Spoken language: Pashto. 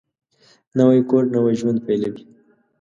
نوی کور نوی ژوند پېلوي